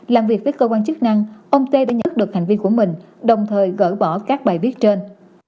làm việc với cơ quan chức năng ông t đã nhắc được hành vi của mình đồng thời gỡ bỏ các bài viết trên